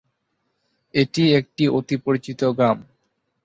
এটি একটি অতি পরিচিত গ্রাম।